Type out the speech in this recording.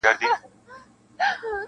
• سپی را ولېږه چي دلته ما پیدا کړي -